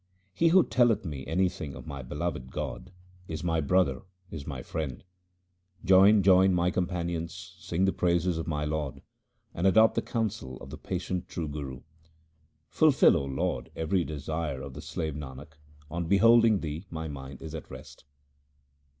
He who telleth me anything of my beloved God, is my brother, is my friend. Join, join, my companions, sing the praises of my Lord, and adopt the counsel of the patient true Guru. SIKH. II Z 338 THE SIKH RELIGION Fulfil, O Lord, every desire of the slave Nanak ; on beholding Thee my mind is at rest.